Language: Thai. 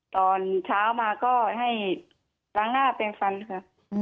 ตอนเช้ามาก็ให้ล้างหน้าแปลงฟันค่ะ